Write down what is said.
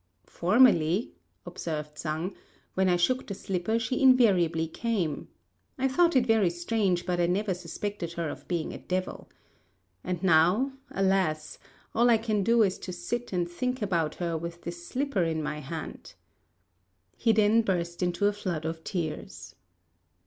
"Formerly," observed Sang, "when I shook the slipper she invariably came. I thought it very strange, but I never suspected her of being a devil. And now, alas! all I can do is to sit and think about her with this slipper in my hand." He then burst into a flood of tears.